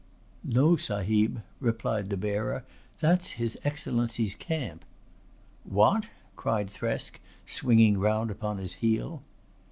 "No, Sahib," replied the bearer. "That's his Excellency's camp." "What!" cried Thresk, swinging round upon his heel.